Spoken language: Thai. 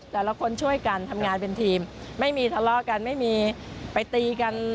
แต่ละคนช่วยกันทำงานเป็นทีมไม่มีทะเลาะกันไม่มีไปตีกัน